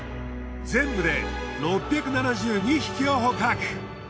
全部で６７２匹を捕獲。